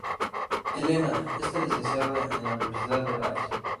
Elena, está licenciada en la universidad Rice.